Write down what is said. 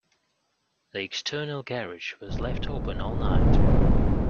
The external garage was left open all night.